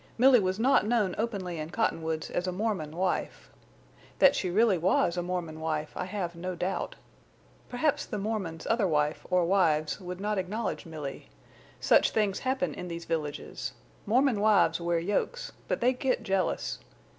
Milly was not known openly in Cottonwoods as a Mormon wife. That she really was a Mormon wife I have no doubt. Perhaps the Mormon's other wife or wives would not acknowledge Milly. Such things happen in these villages. Mormon wives wear yokes, but they get jealous.